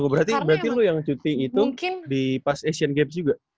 berarti lu yang cuti itu di pas asian games juga